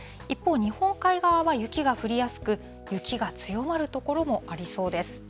一方、日本海側は雪が降りやすく、雪が強まる所もありそうです。